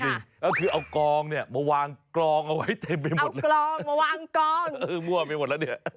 เอาละคนตีไปไหน